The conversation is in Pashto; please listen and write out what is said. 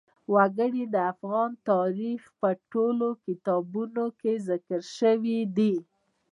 وګړي د افغان تاریخ په ټولو کتابونو کې ذکر شوي دي.